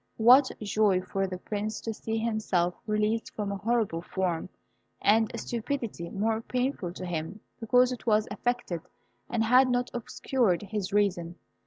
What joy for the Prince to see himself released from a horrible form, and a stupidity more painful to him because it was affected and had not obscured his reason.